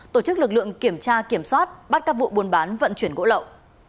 tổ chức lực lượng kiểm tra kiểm soát bắt các vụ buôn bán vận chuyển gỗ lậu